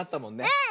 うん！